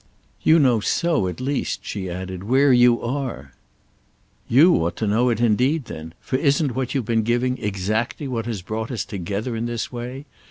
"You know so, at least," she added, "where you are!" "You ought to know it indeed then; for isn't what you've been giving exactly what has brought us together this way?